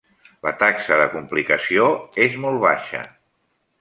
La taxa de complicació és molt baixa.